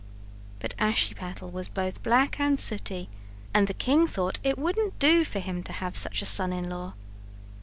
But Ashiepattle was both black and sooty and the king thought it wouldn't do for him to have such a son in law.